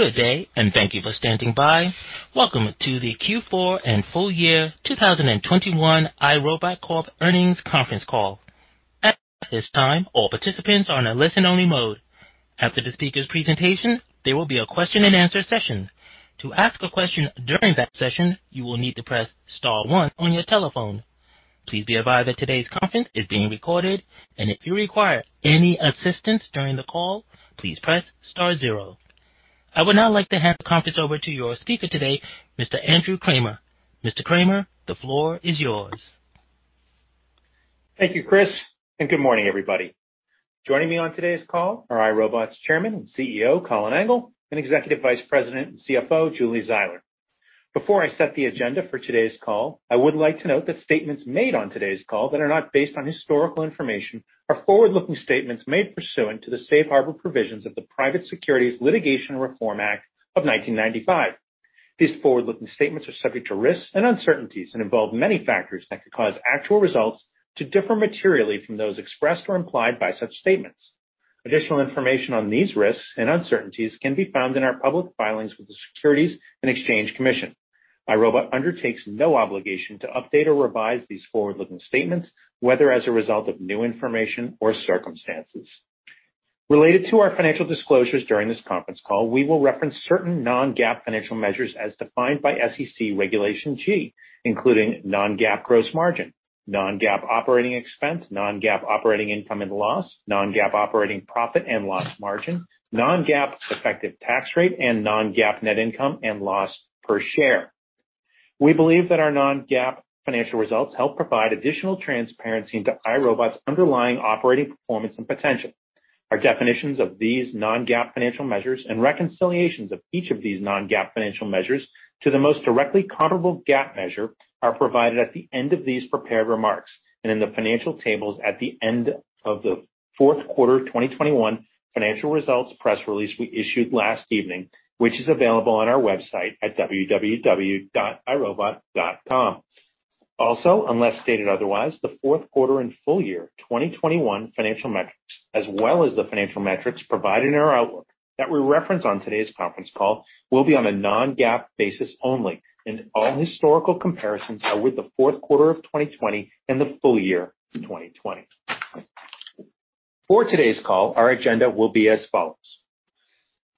Good day, and thank you for standing by. Welcome to the Q4 and full year 2021 iRobot Corporation earnings conference call. At this time, all participants are in a listen-only mode. After the speaker's presentation, there will be a question-and-answer session. To ask a question during that session, you will need to press star one on your telephone. Please be advised that today's conference is being recorded, and if you require any assistance during the call, please press star zero. I would now like to hand the conference over to your speaker today, Mr. Andrew Kramer. Mr. Kramer, the floor is yours. Thank you, Chris, and good morning, everybody. Joining me on today's call are iRobot's Chairman and CEO, Colin Angle, and Executive Vice President and CFO, Julie Zeiler. Before I set the agenda for today's call, I would like to note that statements made on today's call that are not based on historical information are forward-looking statements made pursuant to the Safe Harbor provisions of the Private Securities Litigation Reform Act of 1995. These forward-looking statements are subject to risks and uncertainties and involve many factors that could cause actual results to differ materially from those expressed or implied by such statements. Additional information on these risks and uncertainties can be found in our public filings with the Securities and Exchange Commission. iRobot undertakes no obligation to update or revise these forward-looking statements, whether as a result of new information or circumstances. Related to our financial disclosures during this conference call, we will reference certain non-GAAP financial measures as defined by SEC Regulation G, including non-GAAP gross margin, non-GAAP operating expense, non-GAAP operating income and loss, non-GAAP operating profit and loss margin, non-GAAP effective tax rate, and non-GAAP net income and loss per share. We believe that our non-GAAP financial results help provide additional transparency into iRobot's underlying operating performance and potential. Our definitions of these non-GAAP financial measures and reconciliations of each of these non-GAAP financial measures to the most directly comparable GAAP measure are provided at the end of these prepared remarks and in the financial tables at the end of the fourth quarter of 2021 financial results press release we issued last evening, which is available on our website at www.irobot.com. Unless stated otherwise, the fourth quarter and full year 2021 financial metrics, as well as the financial metrics provided in our outlook that we reference on today's conference call will be on a non-GAAP basis only, and all historical comparisons are with the fourth quarter of 2020 and the full year 2020. For today's call, our agenda will be as follows.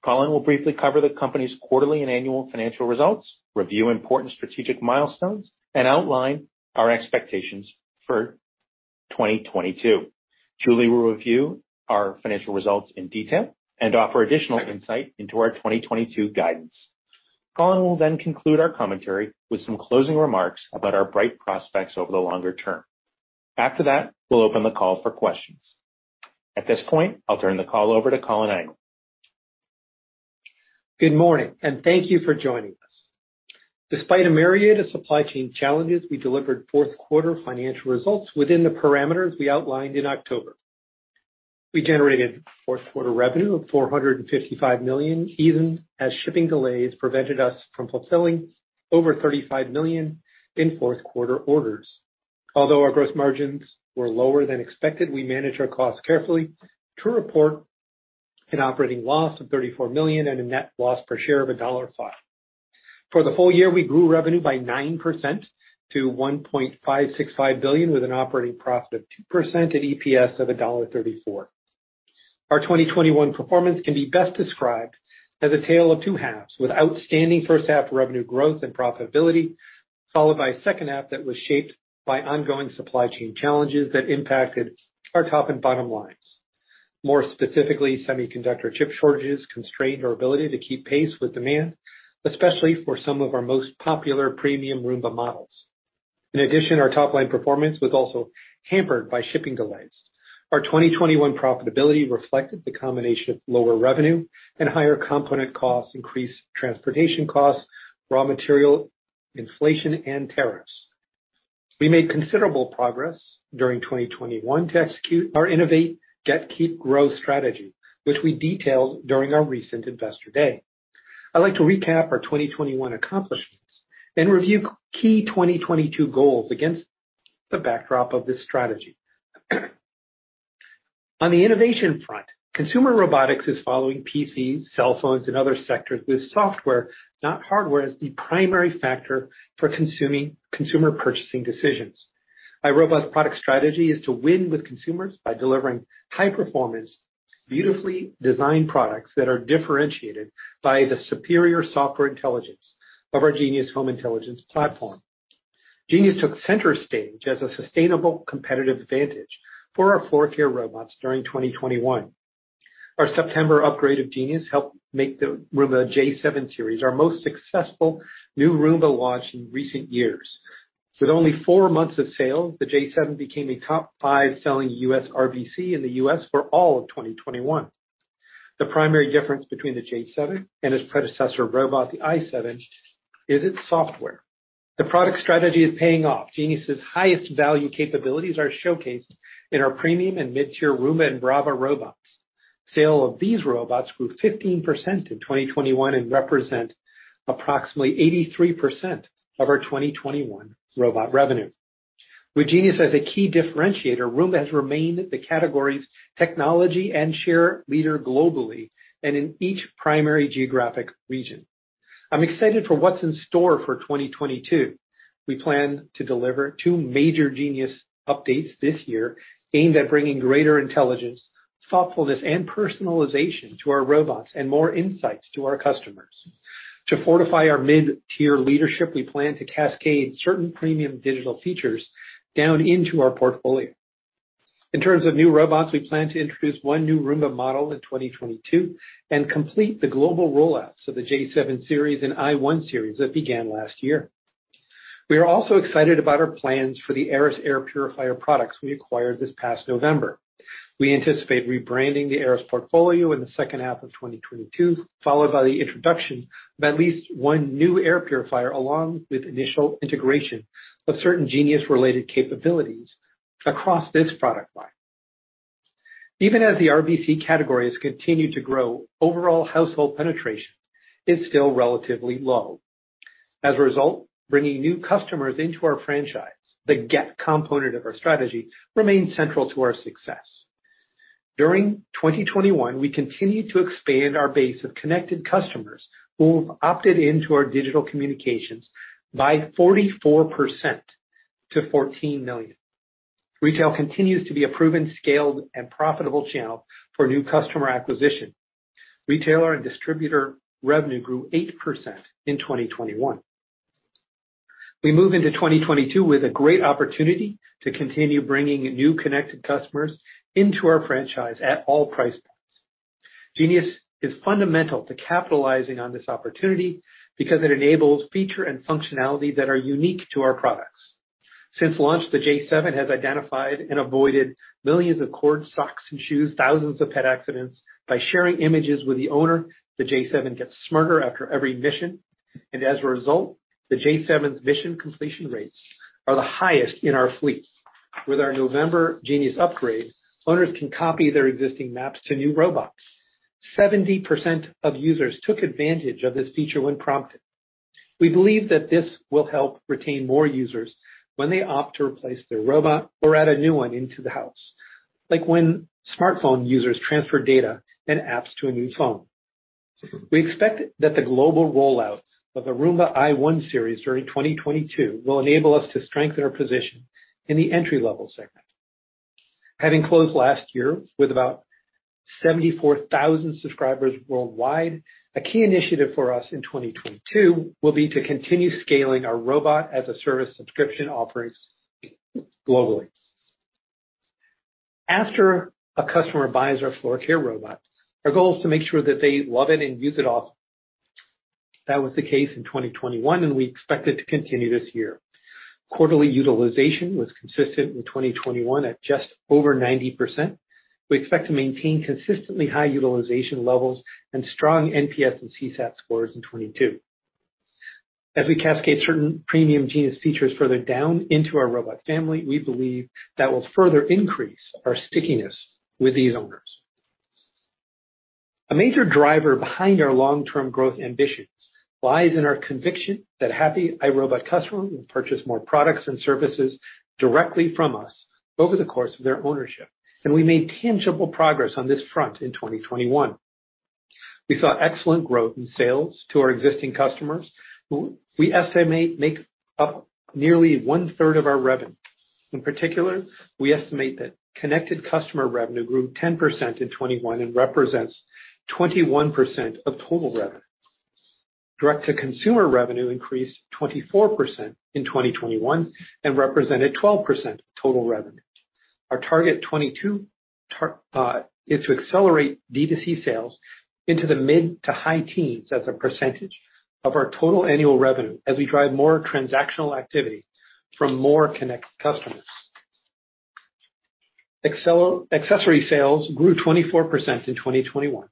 Colin Angle will briefly cover the company's quarterly and annual financial results, review important strategic milestones, and outline our expectations for 2022. Julie Zeiler will review our financial results in detail and offer additional insight into our 2022 guidance. Colin Angle will then conclude our commentary with some closing remarks about our bright prospects over the longer term. After that, we'll open the call for questions. At this point, I'll turn the call over to Colin Angle. Good morning, and thank you for joining us. Despite a myriad of supply chain challenges, we delivered fourth quarter financial results within the parameters we outlined in October. We generated fourth quarter revenue of $455 million, even as shipping delays prevented us from fulfilling over $35 million in fourth quarter orders. Although our gross margins were lower than expected, we managed our costs carefully to report an operating loss of $34 million and a net loss per share of $1.05. For the full year, we grew revenue by 9% to $1.565 billion, with an operating profit of 2% at EPS of $1.34. Our 2021 performance can be best described as a tale of two halves, with outstanding first half revenue growth and profitability, followed by a second half that was shaped by ongoing supply chain challenges that impacted our top and bottom lines. More specifically, semiconductor chip shortages constrained our ability to keep pace with demand, especially for some of our most popular premium Roomba models. In addition, our top-line performance was also hampered by shipping delays. Our 2021 profitability reflected the combination of lower revenue and higher component costs, increased transportation costs, raw material inflation, and tariffs. We made considerable progress during 2021 to execute our innovate, get, keep growth strategy, which we detailed during our recent Investor Day. I'd like to recap our 2021 accomplishments and review key 2022 goals against the backdrop of this strategy. On the innovation front, consumer robotics is following PCs, cell phones, and other sectors with software, not hardware, as the primary factor for influencing consumer purchasing decisions. iRobot's product strategy is to win with consumers by delivering high performance, beautifully designed products that are differentiated by the superior software intelligence of our Genius Home Intelligence platform. Genius took center stage as a sustainable competitive advantage for our floor care robots during 2021. Our September upgrade of Genius helped make the Roomba j7 series our most successful new Roomba launch in recent years. With only four months of sale, the j7 became a top five selling US RVC in the US for all of 2021. The primary difference between the j7 and its predecessor robot, the i7, is its software. The product strategy is paying off. Genius' highest value capabilities are showcased in our premium and mid-tier Roomba and Braava robots. Sales of these robots grew 15% in 2021 and represent approximately 83% of our 2021 robot revenue. With Genius as a key differentiator, Roomba has remained the category's technology and share leader globally and in each primary geographic region. I'm excited for what's in store for 2022. We plan to deliver 2 major Genius updates this year aimed at bringing greater intelligence, thoughtfulness, and personalization to our robots and more insights to our customers. To fortify our mid-tier leadership, we plan to cascade certain premium digital features down into our portfolio. In terms of new robots, we plan to introduce 1 new Roomba model in 2022 and complete the global rollouts of the j7 series and i1 Series that began last year. We are also excited about our plans for the Aeris air purifier products we acquired this past November. We anticipate rebranding the Aeris portfolio in the second half of 2022, followed by the introduction of at least one new air purifier, along with initial integration of certain Genius related capabilities across this product line. Even as the RVC category has continued to grow, overall household penetration is still relatively low. As a result, bringing new customers into our franchise, the get component of our strategy, remains central to our success. During 2021, we continued to expand our base of connected customers who have opted into our digital communications by 44% to 14 million. Retail continues to be a proven, scaled, and profitable channel for new customer acquisition. Retailer and distributor revenue grew 8% in 2021. We move into 2022 with a great opportunity to continue bringing new connected customers into our franchise at all price points. Genius is fundamental to capitalizing on this opportunity because it enables feature and functionality that are unique to our products. Since launch, the j7 has identified and avoided millions of cords, socks, and shoes, thousands of pet accidents. By sharing images with the owner, the j7 gets smarter after every mission. As a result, the j7's mission completion rates are the highest in our fleet. With our November Genius upgrade, owners can copy their existing maps to new robots. 70% of users took advantage of this feature when prompted. We believe that this will help retain more users when they opt to replace their robot or add a new one into the house, like when smartphone users transfer data and apps to a new phone. We expect that the global rollout of the Roomba i1 Series during 2022 will enable us to strengthen our position in the entry-level segment. Having closed last year with about 74,000 subscribers worldwide, a key initiative for us in 2022 will be to continue scaling our robot as a service subscription offerings globally. After a customer buys our floor care robot, our goal is to make sure that they love it and use it often. That was the case in 2021, and we expect it to continue this year. Quarterly utilization was consistent in 2021 at just over 90%. We expect to maintain consistently high utilization levels and strong NPS and CSAT scores in 2022. As we cascade certain premium Genius features further down into our robot family, we believe that will further increase our stickiness with these owners. A major driver behind our long-term growth ambitions lies in our conviction that happy iRobot customers will purchase more products and services directly from us over the course of their ownership, and we made tangible progress on this front in 2021. We saw excellent growth in sales to our existing customers, who we estimate make up nearly one-third of our revenue. In particular, we estimate that connected customer revenue grew 10% in 2021 and represents 21% of total revenue. Direct-to-consumer revenue increased 24% in 2021 and represented 12% of total revenue. Our target 2022 is to accelerate D2C sales into the mid to high teens as a percentage of our total annual revenue as we drive more transactional activity from more connected customers. Accessory sales grew 24% in 2021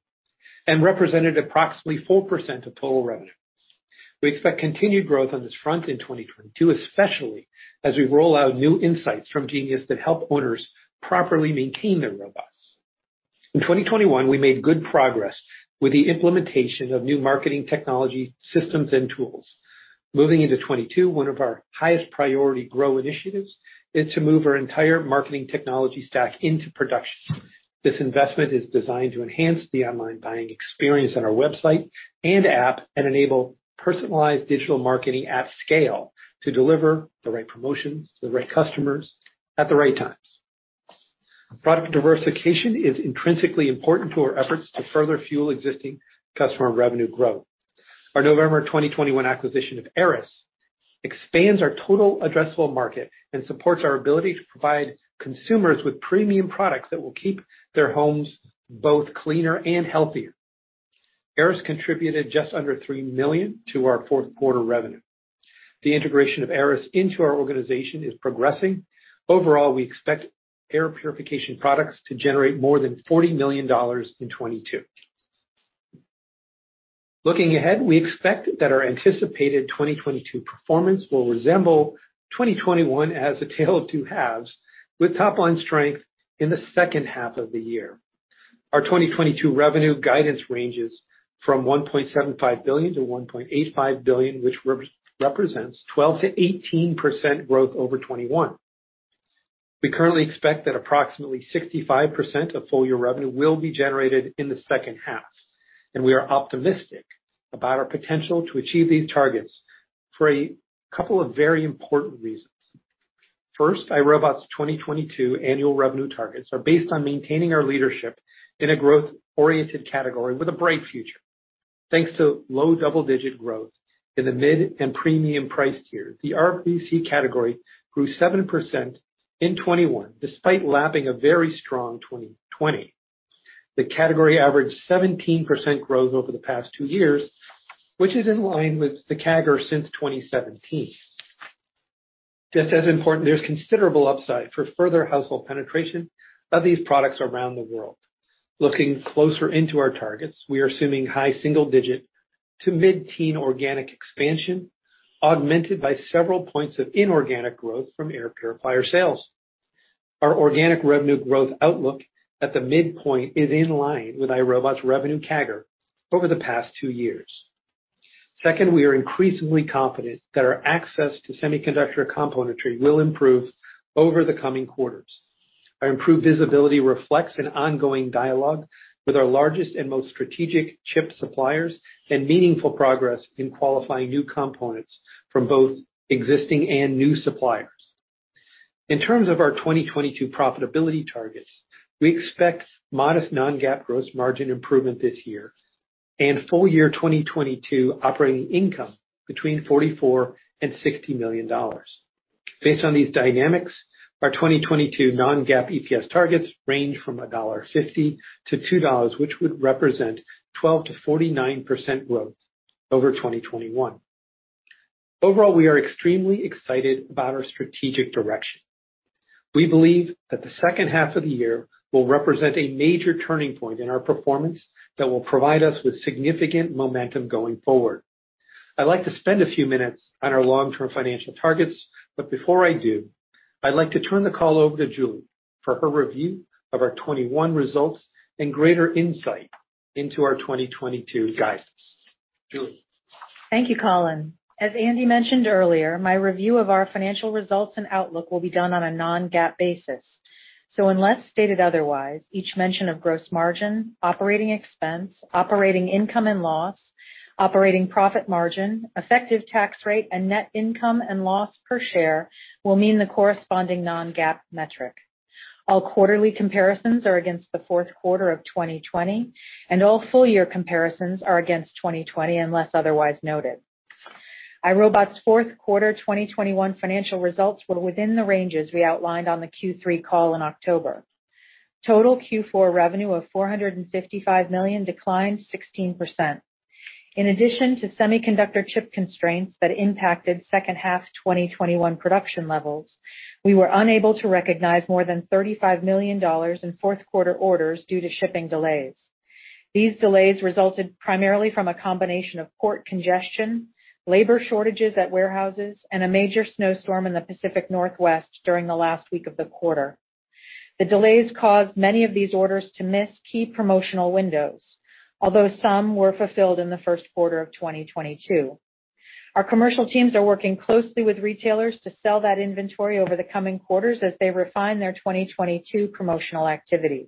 and represented approximately 4% of total revenue. We expect continued growth on this front in 2022, especially as we roll out new insights from Genius that help owners properly maintain their robots. In 2021, we made good progress with the implementation of new marketing technology systems and tools. Moving into 2022, one of our highest priority growth initiatives is to move our entire marketing technology stack into production. This investment is designed to enhance the online buying experience on our website and app and enable personalized digital marketing at scale to deliver the right promotions to the right customers at the right times. Product diversification is intrinsically important to our efforts to further fuel existing customer revenue growth. Our November 2021 acquisition of Aeris expands our total addressable market and supports our ability to provide consumers with premium products that will keep their homes both cleaner and healthier. Aeris contributed just under $3 million to our fourth quarter revenue. The integration of Aeris into our organization is progressing. Overall, we expect air purification products to generate more than $40 million in 2022. Looking ahead, we expect that our anticipated 2022 performance will resemble 2021 as a tale of two halves, with top line strength in the second half of the year. Our 2022 revenue guidance ranges from $1.75 billion-$1.85 billion, which represents 12%-18% growth over 2021. We currently expect that approximately 65% of full year revenue will be generated in the second half, and we are optimistic about our potential to achieve these targets for a couple of very important reasons. First, iRobot's 2022 annual revenue targets are based on maintaining our leadership in a growth-oriented category with a bright future. Thanks to low double-digit growth in the mid and premium price tier, the RVC category grew 7% in 2021, despite lapping a very strong 2020. The category averaged 17% growth over the past two years, which is in line with the CAGR since 2017. Just as important, there's considerable upside for further household penetration of these products around the world. Looking closer into our targets, we are assuming high single digit to mid-teen organic expansion, augmented by several points of inorganic growth from air purifier sales. Our organic revenue growth outlook at the midpoint is in line with iRobot's revenue CAGR over the past two years. Second, we are increasingly confident that our access to semiconductor componentry will improve over the coming quarters. Our improved visibility reflects an ongoing dialogue with our largest and most strategic chip suppliers and meaningful progress in qualifying new components from both existing and new suppliers. In terms of our 2022 profitability targets, we expect modest non-GAAP gross margin improvement this year and full year 2022 operating income between $44 million-$60 million. Based on these dynamics, our 2022 non-GAAP EPS targets range from $1.50-$2, which would represent 12%-49% growth over 2021. Overall, we are extremely excited about our strategic direction. We believe that the second half of the year will represent a major turning point in our performance that will provide us with significant momentum going forward. I'd like to spend a few minutes on our long-term financial targets, but before I do, I'd like to turn the call over to Julie for her review of our 2021 results and greater insight into our 2022 guidance. Julie? Thank you, Colin. As Andy mentioned earlier, my review of our financial results and outlook will be done on a non-GAAP basis. Unless stated otherwise, each mention of gross margin, operating expense, operating income and loss, operating profit margin, effective tax rate, and net income and loss per share will mean the corresponding non-GAAP metric. All quarterly comparisons are against the fourth quarter of 2020, and all full year comparisons are against 2020, unless otherwise noted. iRobot's fourth quarter 2021 financial results were within the ranges we outlined on the Q3 call in October. Total Q4 revenue of $455 million declined 16%. In addition to semiconductor chip constraints that impacted second half 2021 production levels, we were unable to recognize more than $35 million in fourth quarter orders due to shipping delays. These delays resulted primarily from a combination of port congestion, labor shortages at warehouses, and a major snowstorm in the Pacific Northwest during the last week of the quarter. The delays caused many of these orders to miss key promotional windows, although some were fulfilled in the first quarter of 2022. Our commercial teams are working closely with retailers to sell that inventory over the coming quarters as they refine their 2022 promotional activities.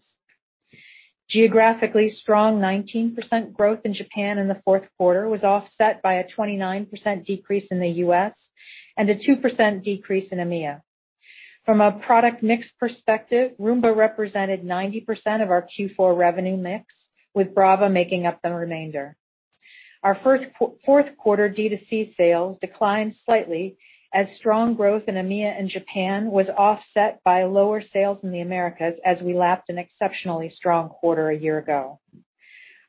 Geographically strong 19% growth in Japan in the fourth quarter was offset by a 29% decrease in the U.S. and a 2% decrease in EMEA. From a product mix perspective, Roomba represented 90% of our Q4 revenue mix, with Braava making up the remainder. Our fourth quarter D2C sales declined slightly as strong growth in EMEA and Japan was offset by lower sales in the Americas as we lapped an exceptionally strong quarter a year ago.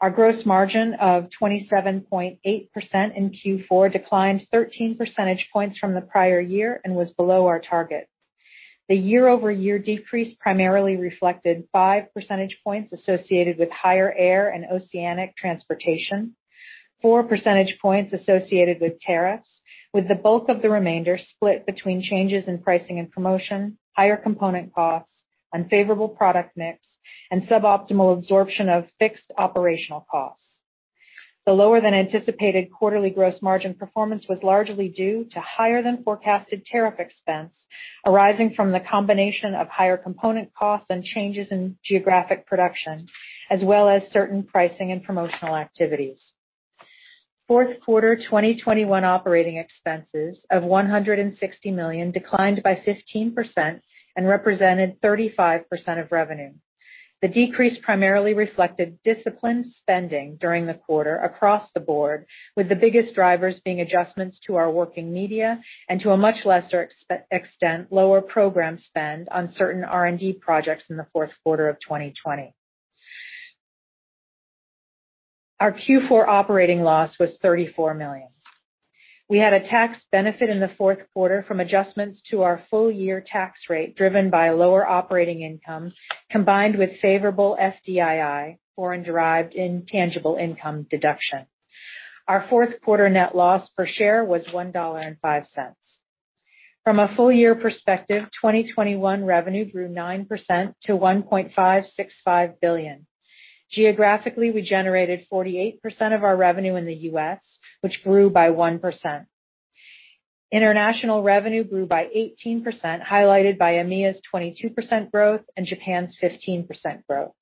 Our gross margin of 27.8% in Q4 declined 13 percentage points from the prior year and was below our target. The year-over-year decrease primarily reflected 5 percentage points associated with higher air and oceanic transportation, 4 percentage points associated with tariffs, with the bulk of the remainder split between changes in pricing and promotion, higher component costs, unfavorable product mix, and suboptimal absorption of fixed operational costs. The lower than anticipated quarterly gross margin performance was largely due to higher than forecasted tariff expense arising from the combination of higher component costs and changes in geographic production, as well as certain pricing and promotional activities. Fourth quarter 2021 operating expenses of $160 million declined by 15% and represented 35% of revenue. The decrease primarily reflected disciplined spending during the quarter across the board, with the biggest drivers being adjustments to our working media and, to a much lesser extent, lower program spend on certain R&D projects in the fourth quarter of 2020. Our Q4 operating loss was $34 million. We had a tax benefit in the fourth quarter from adjustments to our full year tax rate, driven by lower operating income combined with favorable FDII, foreign derived intangible income deduction. Our fourth quarter net loss per share was $1.05. From a full year perspective, 2021 revenue grew 9% to $1.565 billion. Geographically, we generated 48% of our revenue in the U.S., which grew by 1%. International revenue grew by 18%, highlighted by EMEA's 22% growth and Japan's 15% growth.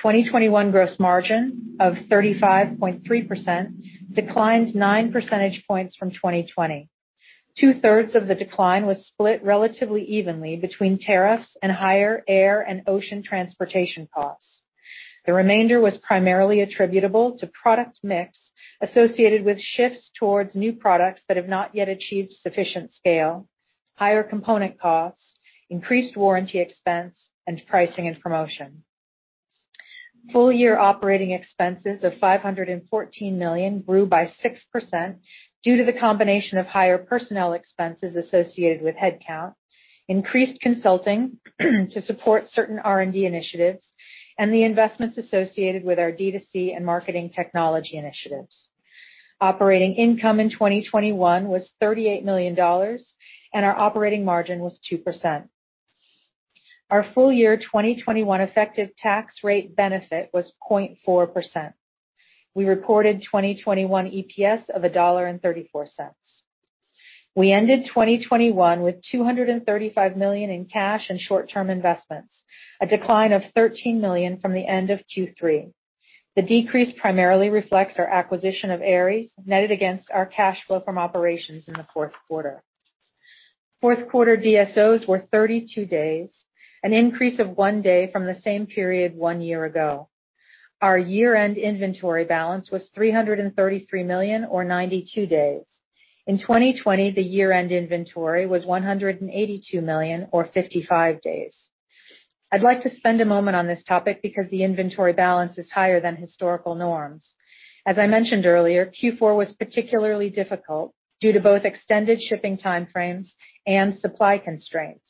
2021 gross margin of 35.3% declined nine percentage points from 2020. Two-thirds of the decline was split relatively evenly between tariffs and higher air and ocean transportation costs. The remainder was primarily attributable to product mix associated with shifts towards new products that have not yet achieved sufficient scale, higher component costs, increased warranty expense, and pricing and promotion. Full year operating expenses of $514 million grew by 6% due to the combination of higher personnel expenses associated with headcount, increased consulting to support certain R&D initiatives, and the investments associated with our D2C and marketing technology initiatives. Operating income in 2021 was $38 million, and our operating margin was 2%. Our full year 2021 effective tax rate benefit was 0.4%. We reported 2021 EPS of $1.34. We ended 2021 with $235 million in cash and short-term investments, a decline of $13 million from the end of Q3. The decrease primarily reflects our acquisition of Aeris, netted against our cash flow from operations in the fourth quarter. Fourth quarter DSOs were 32 days, an increase of 1 day from the same period one year ago. Our year-end inventory balance was $333 million or 92 days. In 2020, the year-end inventory was $182 million or 55 days. I'd like to spend a moment on this topic because the inventory balance is higher than historical norms. As I mentioned earlier, Q4 was particularly difficult due to both extended shipping time frames and supply constraints.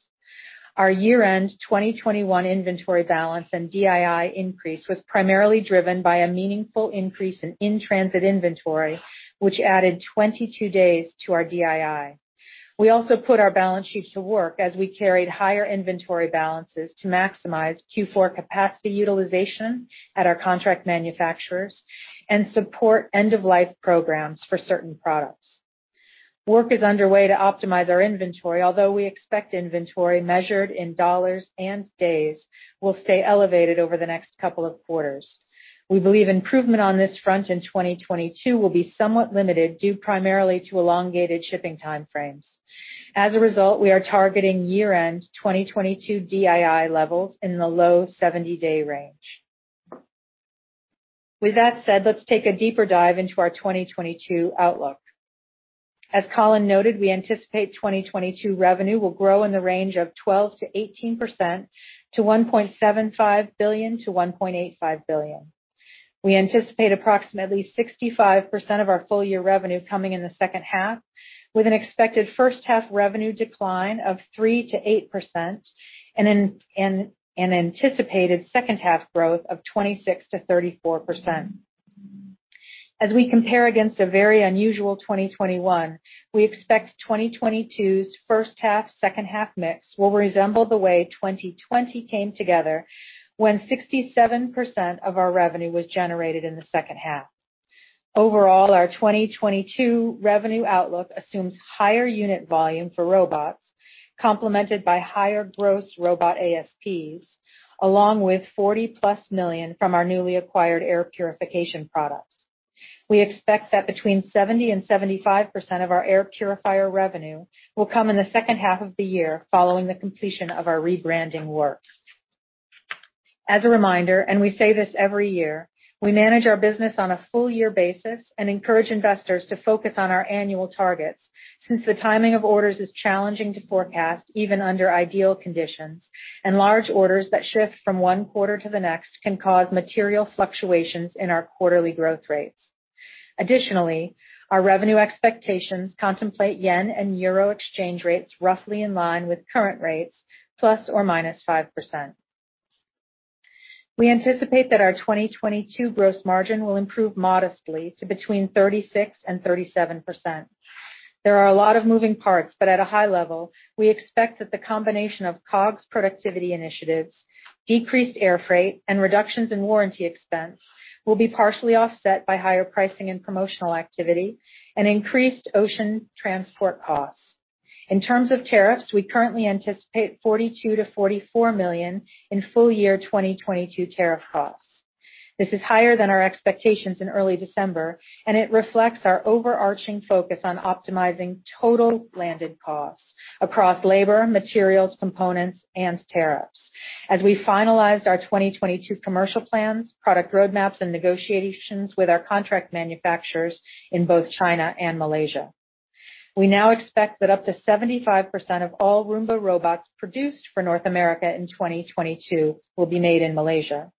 Our year-end 2021 inventory balance and DII increase was primarily driven by a meaningful increase in in-transit inventory, which added 22 days to our DII. We also put our balance sheets to work as we carried higher inventory balances to maximize Q4 capacity utilization at our contract manufacturers and support end-of-life programs for certain products. Work is underway to optimize our inventory, although we expect inventory measured in dollars and days will stay elevated over the next couple of quarters. We believe improvement on this front in 2022 will be somewhat limited due primarily to elongated shipping time frames. As a result, we are targeting year-end 2022 DII levels in the low 70-day range. With that said, let's take a deeper dive into our 2022 outlook. As Colin noted, we anticipate 2022 revenue will grow in the range of 12%-18% to $1.75 billion-$1.85 billion. We anticipate approximately 65% of our full year revenue coming in the second half, with an expected first half revenue decline of 3%-8% and an anticipated second half growth of 26%-34%. As we compare against a very unusual 2021, we expect 2022's first half, second half mix will resemble the way 2020 came together when 67% of our revenue was generated in the second half. Overall, our 2022 revenue outlook assumes higher unit volume for robots, complemented by higher gross robot ASPs, along with $40+ million from our newly acquired air purification products. We expect that between 70%-75% of our air purifier revenue will come in the second half of the year following the completion of our rebranding work. As a reminder, we say this every year. We manage our business on a full year basis and encourage investors to focus on our annual targets since the timing of orders is challenging to forecast, even under ideal conditions, and large orders that shift from one quarter to the next can cause material fluctuations in our quarterly growth rates. Additionally, our revenue expectations contemplate yen and euro exchange rates roughly in line with current rates, ±5%. We anticipate that our 2022 gross margin will improve modestly to between 36%-37%. There are a lot of moving parts, but at a high level, we expect that the combination of COGS productivity initiatives, decreased air freight, and reductions in warranty expense will be partially offset by higher pricing and promotional activity and increased ocean transport costs. In terms of tariffs, we currently anticipate $42 million-$44 million in full year 2022 tariff costs. This is higher than our expectations in early December, and it reflects our overarching focus on optimizing total landed costs across labor, materials, components, and tariffs. As we finalized our 2022 commercial plans, product roadmaps, and negotiations with our contract manufacturers in both China and Malaysia, we now expect that up to 75% of all Roomba robots produced for North America in 2022 will be made in Malaysia.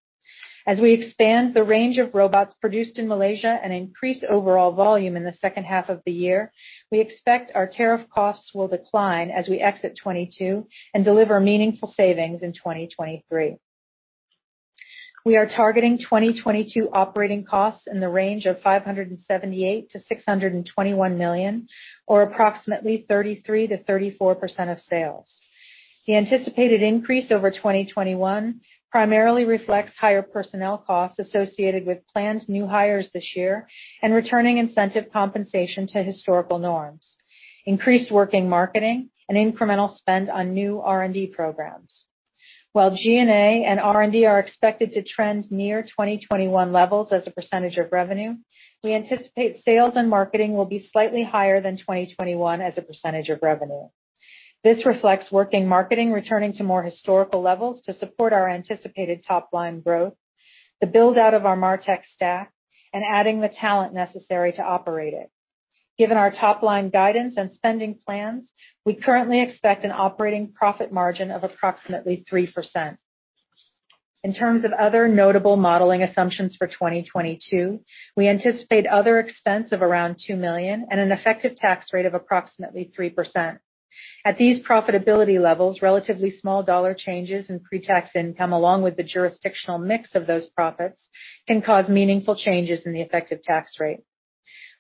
As we expand the range of robots produced in Malaysia and increase overall volume in the second half of the year, we expect our tariff costs will decline as we exit 2022 and deliver meaningful savings in 2023. We are targeting 2022 operating costs in the range of $578 million-$621 million, or approximately 33%-34% of sales. The anticipated increase over 2021 primarily reflects higher personnel costs associated with planned new hires this year and returning incentive compensation to historical norms, increased marketing and incremental spend on new R&D programs. While G&A and R&D are expected to trend near 2021 levels as a percentage of revenue, we anticipate sales and marketing will be slightly higher than 2021 as a percentage of revenue. This reflects working marketing returning to more historical levels to support our anticipated top line growth, the build-out of our MarTech stack, and adding the talent necessary to operate it. Given our top-line guidance and spending plans, we currently expect an operating profit margin of approximately 3%. In terms of other notable modeling assumptions for 2022, we anticipate other expense of around $2 million and an effective tax rate of approximately 3%. At these profitability levels, relatively small dollar changes in pre-tax income, along with the jurisdictional mix of those profits, can cause meaningful changes in the effective tax rate.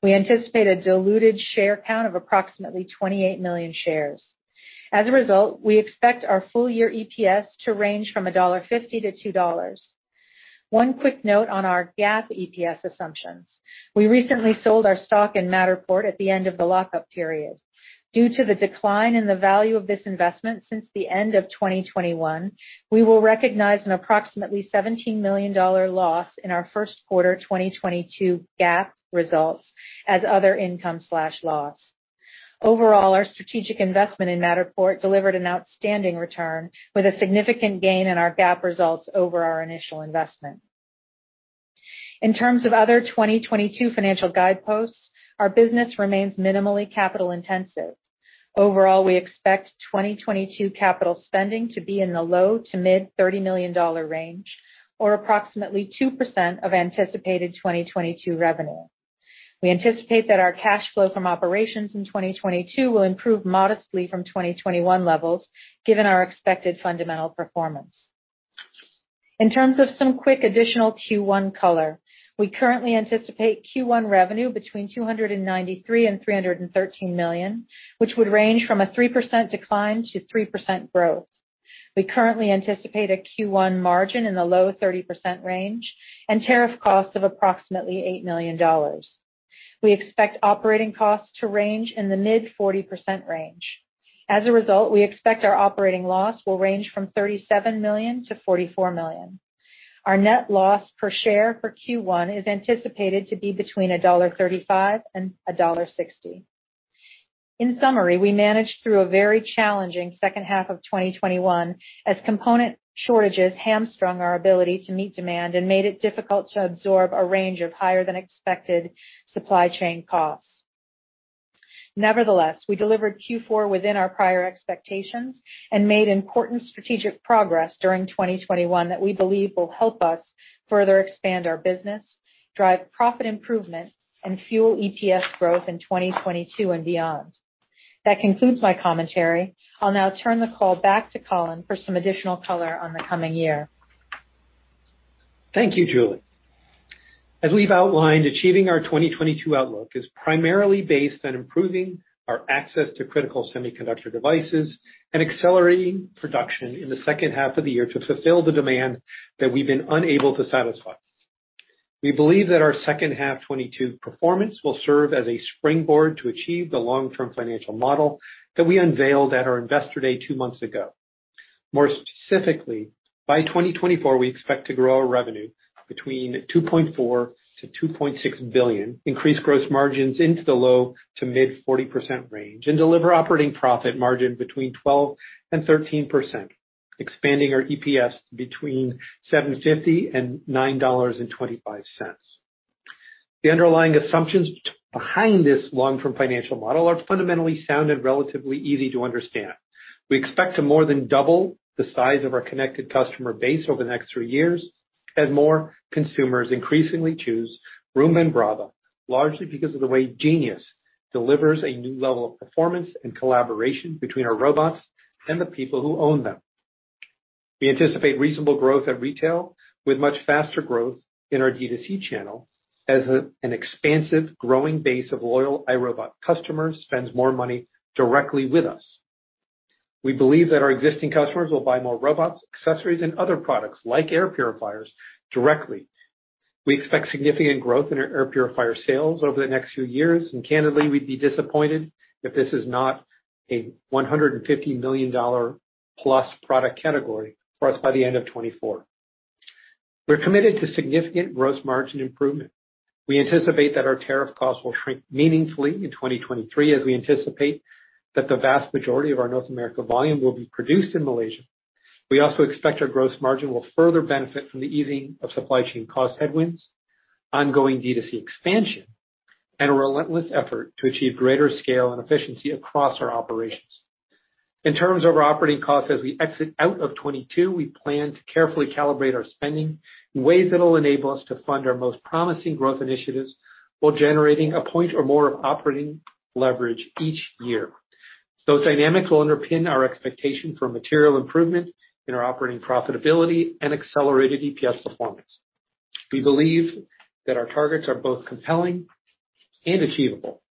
We anticipate a diluted share count of approximately 28 million shares. As a result, we expect our full year EPS to range from $1.50-$2.00. One quick note on our GAAP EPS assumptions. We recently sold our stock in Matterport at the end of the lockup period. Due to the decline in the value of this investment since the end of 2021, we will recognize an approximately $17 million loss in our first quarter 2022 GAAP results as other income/loss. Overall, our strategic investment in Matterport delivered an outstanding return with a significant gain in our GAAP results over our initial investment. In terms of other 2022 financial guideposts, our business remains minimally capital intensive. Overall, we expect 2022 capital spending to be in the low- to mid-$30 million range, or approximately 2% of anticipated 2022 revenue. We anticipate that our cash flow from operations in 2022 will improve modestly from 2021 levels given our expected fundamental performance. In terms of some quick additional Q1 color, we currently anticipate Q1 revenue between $293 million and $313 million, which would range from a 3% decline to 3% growth. We currently anticipate a Q1 margin in the low 30% range and tariff costs of approximately $8 million. We expect operating costs to range in the mid 40% range. As a result, we expect our operating loss will range from $37 million to $44 million. Our net loss per share for Q1 is anticipated to be between $1.35 and $1.60. In summary, we managed through a very challenging second half of 2021 as component shortages hamstrung our ability to meet demand and made it difficult to absorb a range of higher than expected supply chain costs. Nevertheless, we delivered Q4 within our prior expectations and made important strategic progress during 2021 that we believe will help us further expand our business, drive profit improvement and fuel EPS growth in 2022 and beyond. That concludes my commentary. I'll now turn the call back to Colin for some additional color on the coming year. Thank you, Julie. As we've outlined, achieving our 2022 outlook is primarily based on improving our access to critical semiconductor devices and accelerating production in the second half of the year to fulfill the demand that we've been unable to satisfy. We believe that our second half 2022 performance will serve as a springboard to achieve the long term financial model that we unveiled at our Investor Day two months ago. More specifically, by 2024, we expect to grow our revenue between $2.4 billion-$2.6 billion, increase gross margins into the low- to mid-40% range, and deliver operating profit margin between 12% and 13%, expanding our EPS between $7.50 and $9.25. The underlying assumptions behind this long-term financial model are fundamentally sound and relatively easy to understand. We expect to more than double the size of our connected customer base over the next three years as more consumers increasingly choose Roomba and Braava, largely because of the way Genius delivers a new level of performance and collaboration between our robots and the people who own them. We anticipate reasonable growth at retail, with much faster growth in our D2C channel as an expansive, growing base of loyal iRobot customers spends more money directly with us. We believe that our existing customers will buy more robots, accessories and other products like air purifiers directly. We expect significant growth in our air purifier sales over the next few years, and candidly, we'd be disappointed if this is not a $150 million-plus product category for us by the end of 2024. We're committed to significant gross margin improvement. We anticipate that our tariff costs will shrink meaningfully in 2023, as we anticipate that the vast majority of our North America volume will be produced in Malaysia. We also expect our gross margin will further benefit from the easing of supply chain cost headwinds, ongoing D2C expansion, and a relentless effort to achieve greater scale and efficiency across our operations. In terms of our operating costs as we exit out of 2022, we plan to carefully calibrate our spending in ways that will enable us to fund our most promising growth initiatives while generating a point or more of operating leverage each year. Those dynamics will underpin our expectation for material improvement in our operating profitability and accelerated EPS performance. We believe that our targets are both compelling and achievable.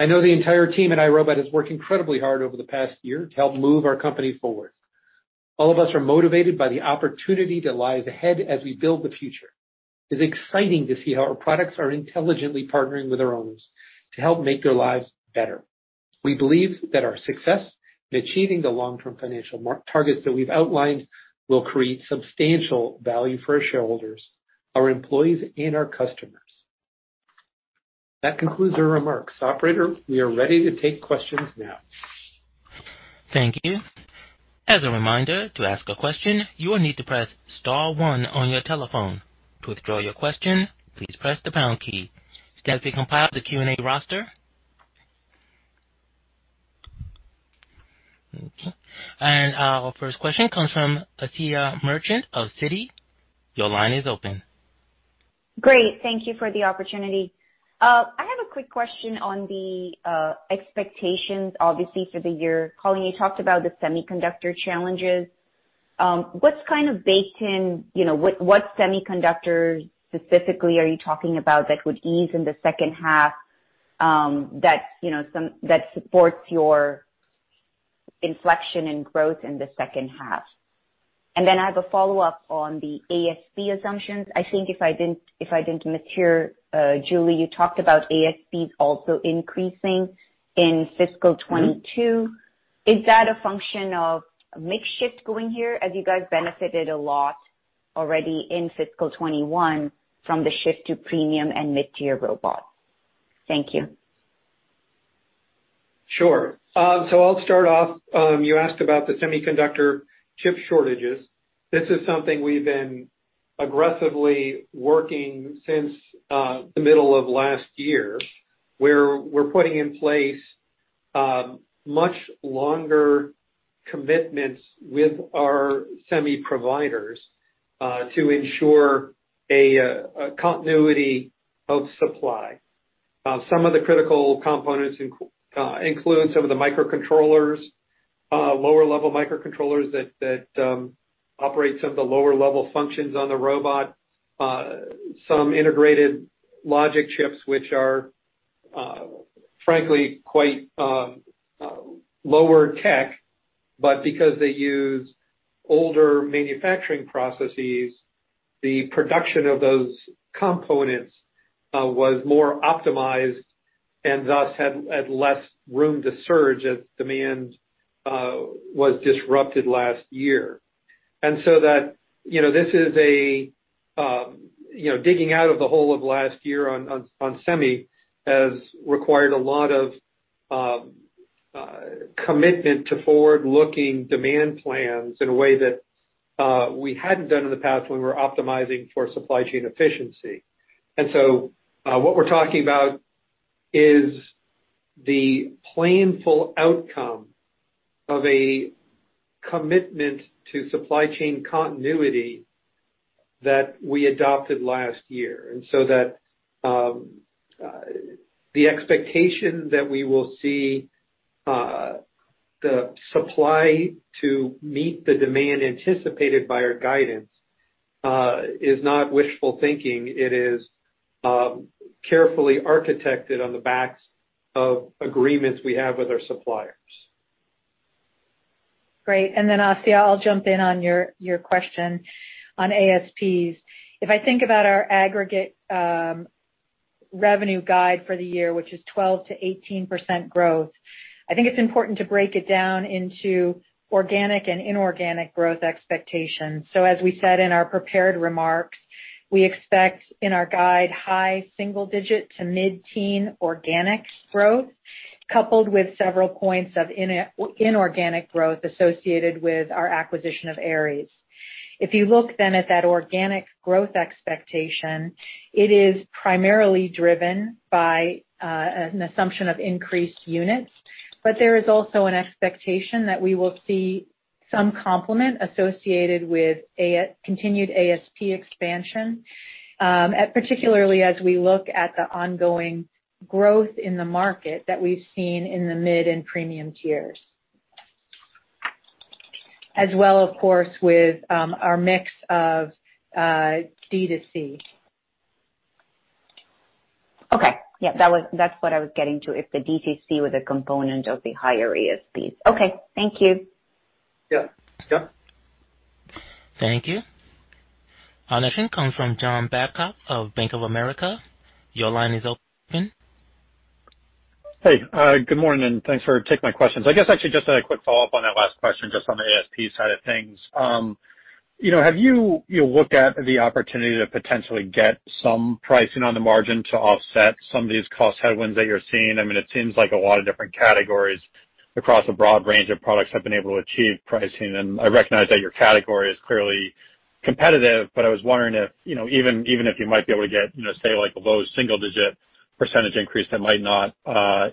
I know the entire team at iRobot has worked incredibly hard over the past year to help move our company forward. All of us are motivated by the opportunity that lies ahead as we build the future. It's exciting to see how our products are intelligently partnering with our owners to help make their lives better. We believe that our success in achieving the long-term financial margin targets that we've outlined will create substantial value for our shareholders, our employees, and our customers. That concludes our remarks. Operator, we are ready to take questions now. Thank you. As a reminder, to ask a question, you will need to press star one on your telephone. To withdraw your question, please press the pound key. As we compile the Q&A roster, okay. Our first question comes from Asiya Merchant of Citi. Your line is open. Great. Thank you for the opportunity. I have a quick question on the expectations obviously for the year. Colin, you talked about the semiconductor challenges. What's kind of baked in, you know, what semiconductors specifically are you talking about that would ease in the second half, that supports your inflection in growth in the second half? And then I have a follow-up on the ASP assumptions. I think if I didn't mishear, Julie, you talked about ASPs also increasing in fiscal 2022. Is that a function of mix shift going higher, as you guys benefited a lot already in fiscal 2021 from the shift to premium and mid-tier robots? Thank you. Sure. I'll start off. You asked about the semiconductor chip shortages. This is something we've been aggressively working since the middle of last year, where we're putting in place much longer commitments with our semi providers to ensure a continuity of supply. Some of the critical components include some of the microcontrollers, lower level microcontrollers that operate some of the lower level functions on the robot. Some integrated logic chips, which are frankly quite lower tech, but because they use older manufacturing processes, the production of those components was more optimized and thus had less room to surge as demand was disrupted last year. You know, this is a you know digging out of the hole of last year on semi has required a lot of commitment to forward-looking demand plans in a way that we hadn't done in the past when we were optimizing for supply chain efficiency. What we're talking about is the planful outcome of a commitment to supply chain continuity that we adopted last year. The expectation that we will see the supply to meet the demand anticipated by our guidance is not wishful thinking. It is carefully architected on the backs of agreements we have with our suppliers. Great. Asiya, I'll jump in on your question on ASPs. If I think about our aggregate revenue guide for the year, which is 12%-18% growth, I think it's important to break it down into organic and inorganic growth expectations. As we said in our prepared remarks, we expect in our guide high single digit to mid-teen organic growth, coupled with several points of inorganic growth associated with our acquisition of Aeris. If you look then at that organic growth expectation, it is primarily driven by an assumption of increased units. There is also an expectation that we will see some complement associated with continued ASP expansion, particularly as we look at the ongoing growth in the market that we've seen in the mid and premium tiers. As well, of course, with our mix of D2C. Okay. Yeah, that was, that's what I was getting to, if the D to C was a component of the higher ASPs. Okay. Thank you. Yeah. Sure. Thank you. Our next comes from John Babcock of Bank of America. Your line is open. Hey, good morning, and thanks for taking my questions. I guess actually just a quick follow-up on that last question, just on the ASP side of things. You know, have you know, looked at the opportunity to potentially get some pricing on the margin to offset some of these cost headwinds that you're seeing? I mean, it seems like a lot of different categories across a broad range of products have been able to achieve pricing, and I recognize that your category is clearly competitive, but I was wondering if, you know, even if you might be able to get, you know, say, like a low single digit percentage increase that might not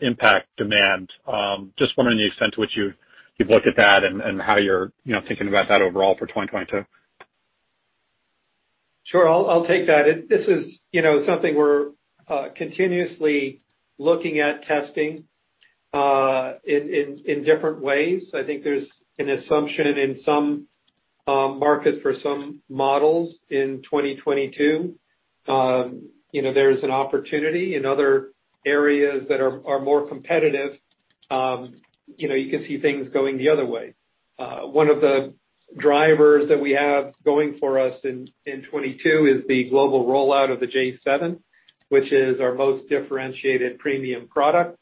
impact demand. Just wondering the extent to which you've looked at that and how you're, you know, thinking about that overall for 2022. Sure. I'll take that. This is, you know, something we're continuously looking at testing in different ways. I think there's an assumption in some markets for some models in 2022. You know, there's an opportunity in other areas that are more competitive, you know, you can see things going the other way. One of the drivers that we have going for us in 2022 is the global rollout of the j7, which is our most differentiated premium product.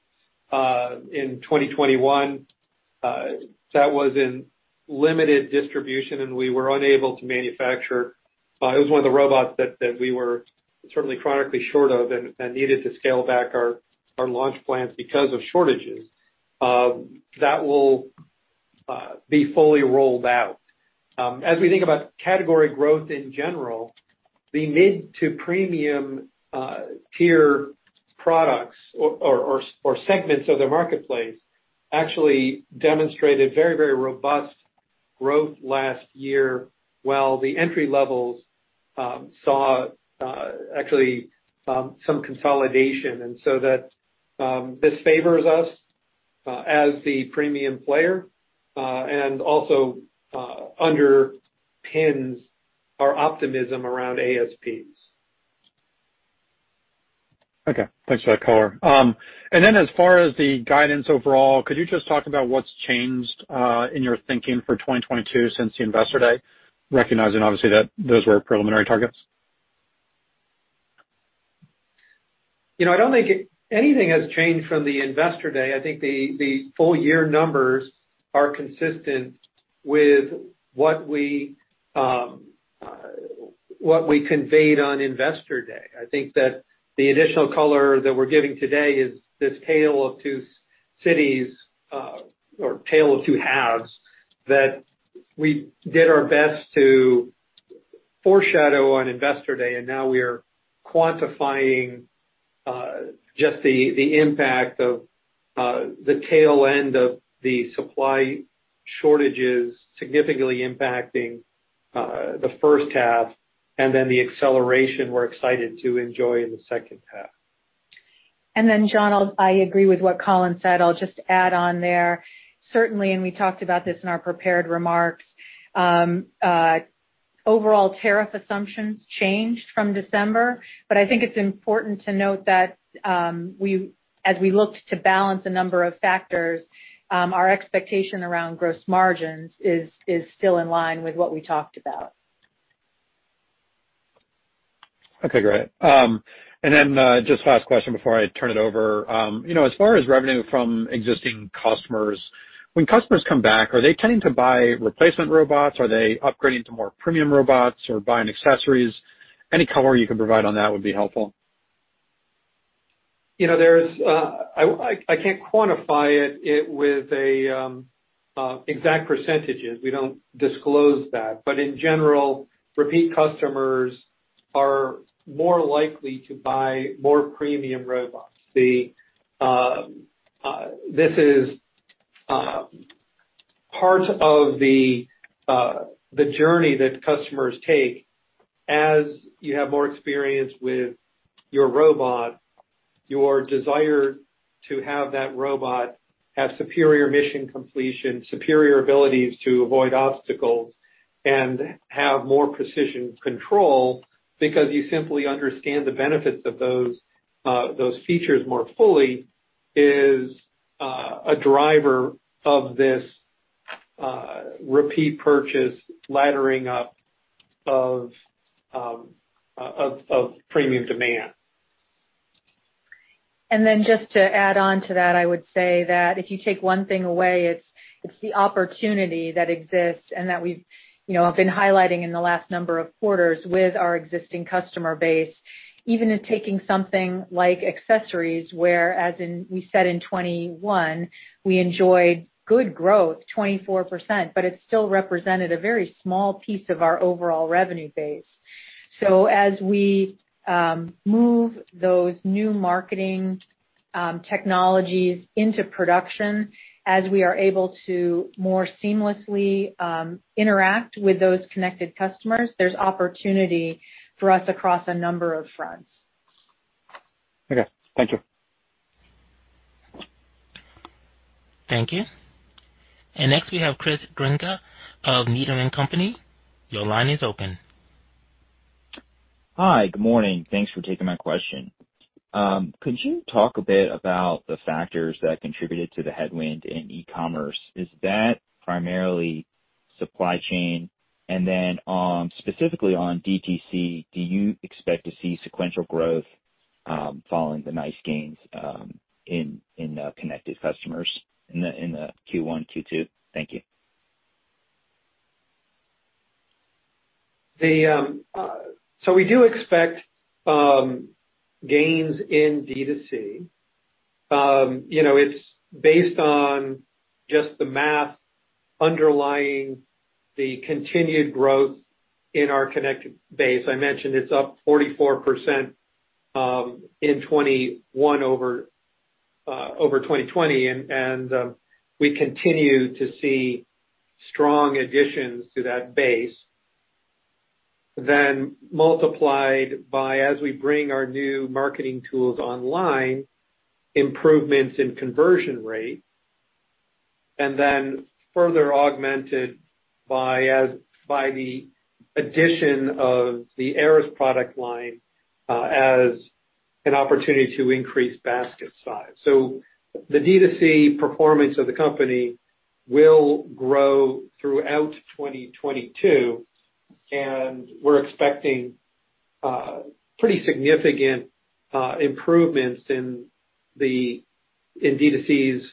In 2021, that was in limited distribution, and we were unable to manufacture. It was one of the robots that we were certainly chronically short of and needed to scale back our launch plans because of shortages. That will be fully rolled out. As we think about category growth in general, the mid to premium tier products or segments of the marketplace actually demonstrated very robust growth last year, while the entry levels saw actually some consolidation. This favors us as the premium player and also underpins our optimism around ASPs. Okay. Thanks for that color. As far as the guidance overall, could you just talk about what's changed in your thinking for 2022 since the Investor Day, recognizing obviously that those were preliminary targets? You know, I don't think anything has changed from the Investor Day. I think the full year numbers are consistent with what we conveyed on Investor Day. I think that the additional color that we're giving today is this tale of two cities or tale of two halves that we did our best to foreshadow on Investor Day, and now we are quantifying just the impact of the tail end of the supply shortages significantly impacting the first half and then the acceleration we're excited to enjoy in the second half. John, I agree with what Colin said. I'll just add on there. Certainly, we talked about this in our prepared remarks. Overall tariff assumptions changed from December, but I think it's important to note that, as we looked to balance a number of factors, our expectation around gross margins is still in line with what we talked about. Okay, great. Just last question before I turn it over. You know, as far as revenue from existing customers, when customers come back, are they tending to buy replacement robots? Are they upgrading to more premium robots or buying accessories? Any color you can provide on that would be helpful. You know, there's I can't quantify it with an exact percentages. We don't disclose that. In general, repeat customers are more likely to buy more premium robots. This is part of the journey that customers take. As you have more experience with your robot, your desire to have that robot have superior mission completion, superior abilities to avoid obstacles, and have more precision control because you simply understand the benefits of those features more fully is a driver of this repeat purchase laddering up of premium demand. Just to add on to that, I would say that if you take one thing away, it's the opportunity that exists and that we've, you know, have been highlighting in the last number of quarters with our existing customer base, even in taking something like accessories, where as in we said in 2021, we enjoyed good growth, 24%, but it still represented a very small piece of our overall revenue base. As we move those new marketing technologies into production, as we are able to more seamlessly interact with those connected customers, there's opportunity for us across a number of fronts. Okay, thank you. Thank you. Next, we have Chris Grenga of Needham & Company. Your line is open. Hi. Good morning. Thanks for taking my question. Could you talk a bit about the factors that contributed to the headwind in e-commerce? Is that primarily supply chain? Specifically on DTC, do you expect to see sequential growth following the nice gains in connected customers in the Q1, Q2? Thank you. We do expect gains in D2C. You know, it's based on just the math underlying the continued growth in our connected base. I mentioned it's up 44% in 2021 over 2020, and we continue to see strong additions to that base. Then multiplied by as we bring our new marketing tools online, improvements in conversion rate, and then further augmented by the addition of the Aeris product line, as an opportunity to increase basket size. The D2C performance of the company will grow throughout 2022, and we're expecting pretty significant improvements in D2C's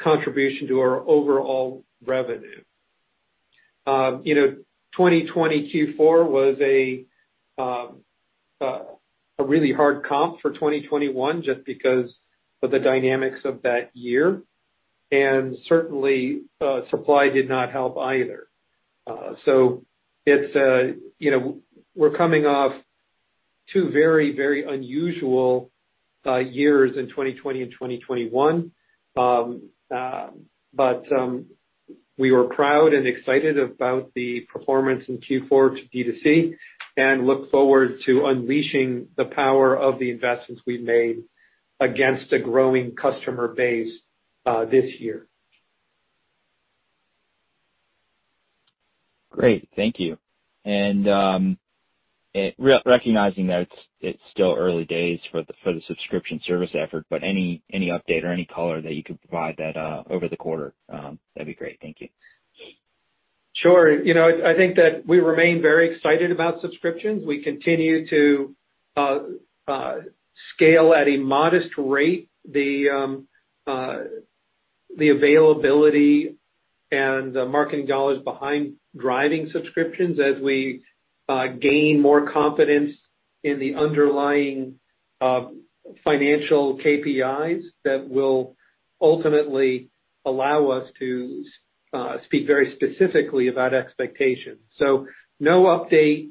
contribution to our overall revenue. You know, 2020 Q4 was a really hard comp for 2021 just because of the dynamics of that year. Certainly, supply did not help either. You know, we're coming off two very unusual years in 2020 and 2021. We were proud and excited about the performance in Q4 to D2C and look forward to unleashing the power of the investments we've made against a growing customer base this year. Great. Thank you. Recognizing that it's still early days for the subscription service effort, but any update or any color that you could provide that over the quarter, that'd be great. Thank you. Sure. You know, I think that we remain very excited about subscriptions. We continue to scale at a modest rate the availability and the marketing dollars behind driving subscriptions as we gain more confidence in the underlying financial KPIs that will ultimately allow us to speak very specifically about expectations. No update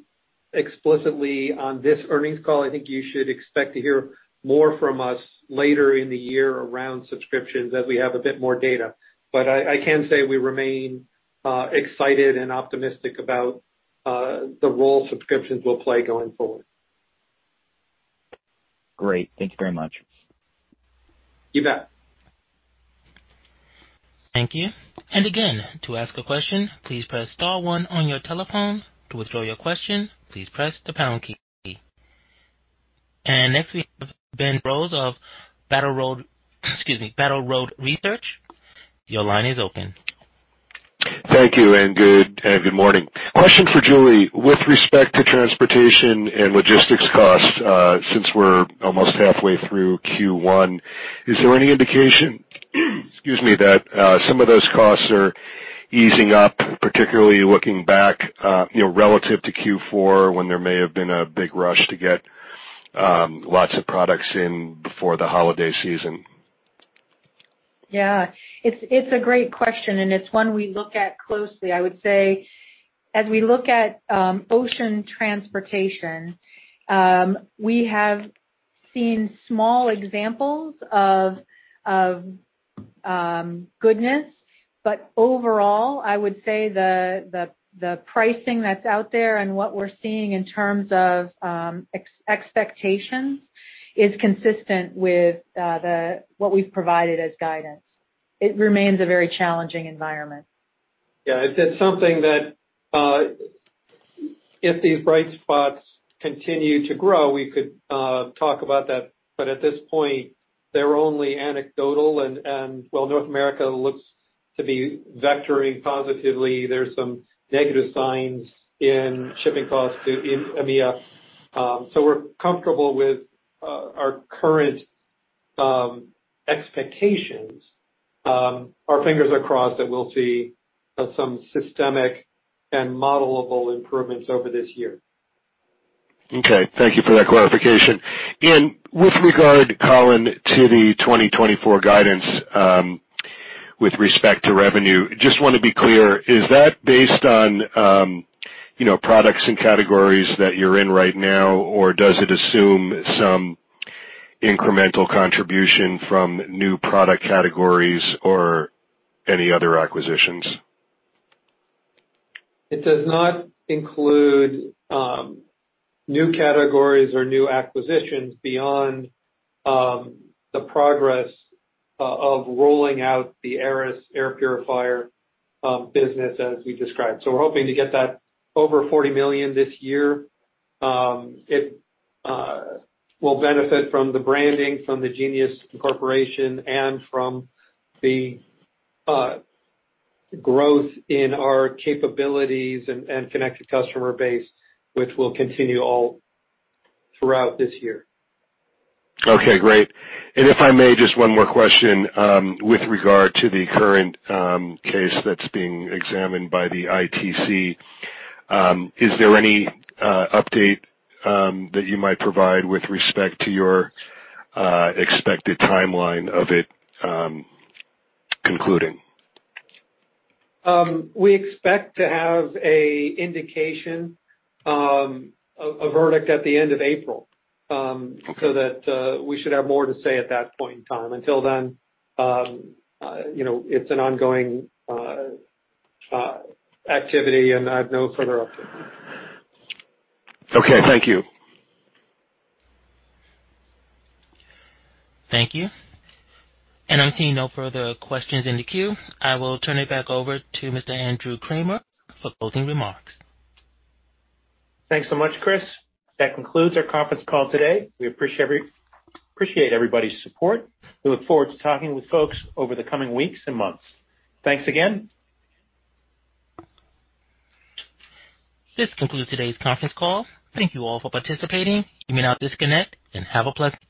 explicitly on this earnings call. I think you should expect to hear more from us later in the year around subscriptions as we have a bit more data. I can say we remain excited and optimistic about the role subscriptions will play going forward. Great. Thank you very much. You bet. Thank you. And again, to ask a question please press star one on your telephone. To withdraw your question, please press the pound key. Next, we have Ben Rose of Battle Road, excuse me, Battle Road Research. Your line is open. Thank you, and good morning. Question for Julie. With respect to transportation and logistics costs, since we're almost halfway through Q1, is there any indication, excuse me, that some of those costs are easing up, particularly looking back, you know, relative to Q4 when there may have been a big rush to get lots of products in before the holiday season? Yeah. It's a great question, and it's one we look at closely. I would say as we look at ocean transportation, we have seen small examples of goodness. Overall, I would say the pricing that's out there and what we're seeing in terms of expectations is consistent with what we've provided as guidance. It remains a very challenging environment. Yeah. It's something that, if these bright spots continue to grow, we could talk about that. At this point, they're only anecdotal and while North America looks to be vectoring positively, there's some negative signs in shipping costs in EMEA. We're comfortable with our current expectations. Our fingers are crossed that we'll see some systemic and modelable improvements over this year. Okay. Thank you for that clarification. With regard, Colin, to the 2024 guidance, with respect to revenue, just wanna be clear, is that based on, you know, products and categories that you're in right now, or does it assume some incremental contribution from new product categories or any other acquisitions? It does not include new categories or new acquisitions beyond the progress of rolling out the Aeris air purifier business as we described. We're hoping to get that over $40 million this year. It will benefit from the branding, from the Genius incorporation, and from the growth in our capabilities and connected customer base, which will continue all throughout this year. Okay. Great. If I may, just one more question with regard to the current case that's being examined by the ITC. Is there any update that you might provide with respect to your expected timeline of it concluding? We expect to have an indication, a verdict at the end of April. Okay. That we should have more to say at that point in time. Until then, you know, it's an ongoing activity, and I have no further update. Okay. Thank you. Thank you. I'm seeing no further questions in the queue. I will turn it back over to Mr. Andrew Kramer for closing remarks. Thanks so much, Chris. That concludes our conference call today. We appreciate everybody's support. We look forward to talking with folks over the coming weeks and months. Thanks again. This concludes today's conference call. Thank you all for participating. You may now disconnect and have a pleasant.